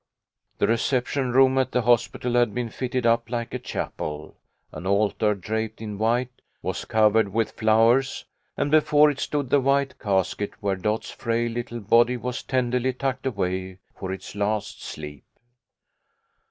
The reception room at the hospital had been fitted up like a chapel. An altar, draped in white, was covered with flowers, and before it stood the white casket where Dot's frail little body was tenderly tucked away for its last sleep.